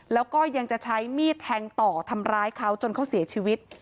แล้วก็ยังจะใช้มีดแทงต่อทำร้ายเขาจนเขาเสียชีวิต